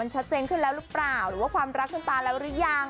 ชัดเจนขึ้นแล้วหรือเปล่าหรือว่าความรักคุณตาแล้วหรือยัง